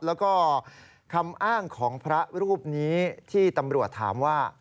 แล้วก็คำอ้างของพระรูปนี้ที่ตำรวจถามว่า